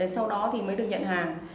sau đó thì mới được nhận hàng